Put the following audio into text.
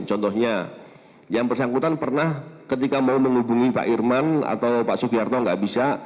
contohnya yang bersangkutan pernah ketika mau menghubungi pak irman atau pak sugiarto nggak bisa